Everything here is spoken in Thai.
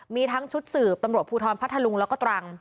มีทั้งชุดสืบตำรวจภูทรพัทธลุงแล้วก็ตรัง